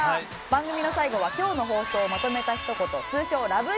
番組の最後は今日の放送をまとめたひと言通称ラブ！！